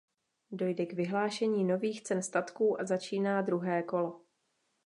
Dojde k vyhlášení nových cen statků a začíná druhé kolo.